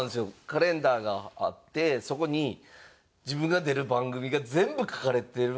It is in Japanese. カレンダーがあってそこに自分が出る番組が全部書かれてるんですよ。